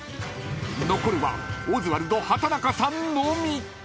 ［残るはオズワルド畠中さんのみ］